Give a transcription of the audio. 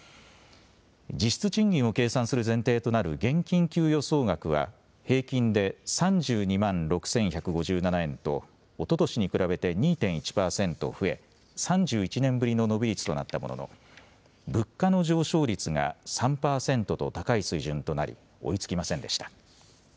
実質賃金を計算する前提となる現金給与総額は、平均で３２万６１５７円と、おととしに比べて２．１％増え、３１年ぶりの伸び率となったものの、物価の上昇率が３％と高い水準となり、追いつきませんでした。